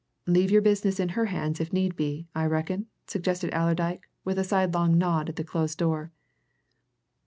"Leave your business in her hands if need be, I reckon?" suggested Allerdyke, with a sidelong nod at the closed door.